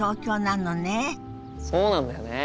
そうなんだよね。